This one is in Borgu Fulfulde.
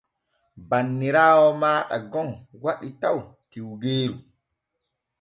Banniraawo maaɗa gon waɗi taw tiwgeeru.